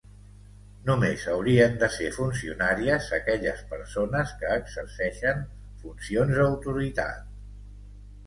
Només haurien de ser funcionàries aquelles persones que exerceixen funcions d’autoritat.